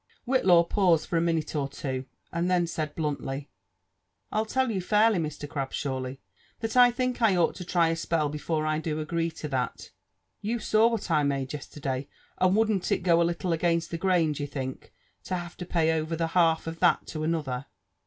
Whitlaw paused for a minute or two, and then said bluntly: " Til tell you fairly, Mr. Grabshawly, that I think I ought to try a spell be fore I do agree to that. You saw what I n^ade yesterday ; and wouldn't it go a little against the grain, d'ye think, to have to pay over the half of that to another?"